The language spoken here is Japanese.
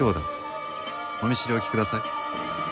お見知りおきください。